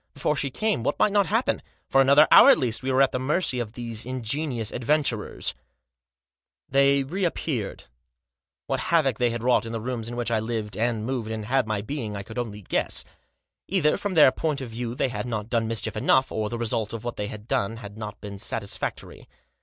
Before she came what might not happen? For another hour, at least, we were at the mercy of these ingenious adventurers. Digitized by THE TRIO RETURN. 217 They reappeared. What havoc they had wrought in the rooms in which I lived, and moved, and had my being, I could only guess. Either, from their point of view, they had not done mischief enough, or the result of what they had done had not been satisfac tory.